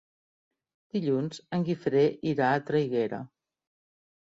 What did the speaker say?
Dilluns en Guifré irà a Traiguera.